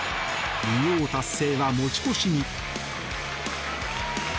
偉業達成は持ち越しに。